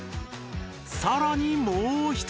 さらにもう一人！